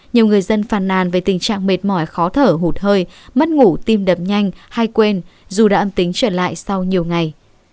nhiều người dân phàn nàn về tình trạng mệt mỏi khó thở hụt hơi mất ngủ tim đập nhanh hay quên dù đã âm tính trở lại sau nhiều ngày